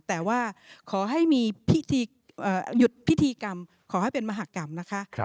แต่ว่าขอให้มีพิธีหยุดพิธีกรรมขอให้เป็นมหากรรมนะคะ